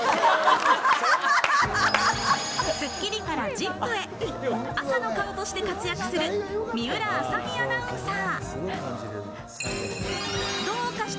『スッキリ』から『ＺＩＰ！』へ、朝の顔として活躍する水卜麻美アナウンサー。